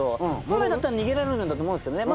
本来だったら逃げられるんだと思うんすけどね。